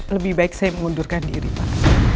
lebih baik saya mengundurkan diri pak